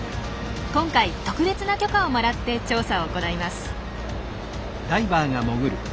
今回特別な許可をもらって調査を行います。